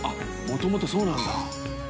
もともとそうなんだ。